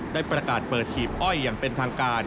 ได้ประกาศเปิดหีบอ้อยอย่างเป็นทางการ